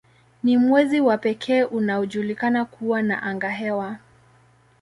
Ni mwezi wa pekee unaojulikana kuwa na angahewa.